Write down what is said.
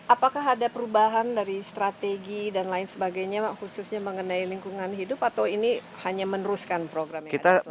apakah ada perubahan dari strategi dan lain sebagainya khususnya mengenai lingkungan hidup atau ini hanya meneruskan program yang ada selama ini